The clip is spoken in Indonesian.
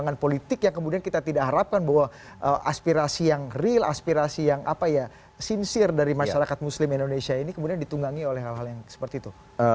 dengan politik yang kemudian kita tidak harapkan bahwa aspirasi yang real aspirasi yang apa ya simsir dari masyarakat muslim indonesia ini kemudian ditunggangi oleh hal hal yang seperti itu